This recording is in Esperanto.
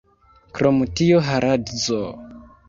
Krom tio haladzo!